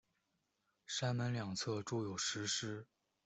山门两侧筑有石狮。